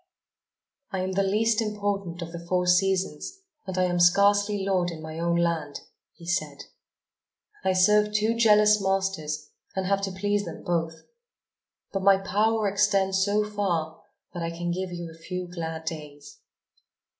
"I am the least important of the four seasons and am scarcely lord in my own land," he said. "I serve two jealous masters and have to please them both. But my power extends so far that I can give you a few glad days."